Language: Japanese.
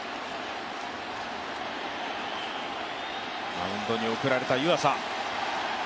マウンドに送られた湯浅。